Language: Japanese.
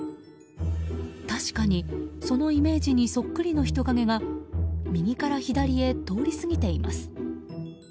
確かにそのイメージにそっくりの人影が右から左へ通り過ぎています。